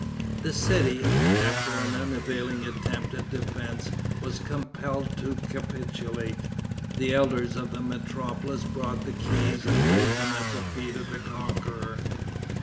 The city, after an unavailing attempt at defense, was compelled to capitulate. The elders of the metropolis brought the keys and laid them at the feet of the conqueror.